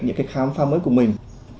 những cái khám phá mới của mình